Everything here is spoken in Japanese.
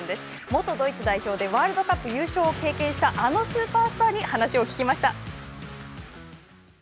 元ドイツ代表でワールドカップ優勝を経験したあのスーパースターに聞きました。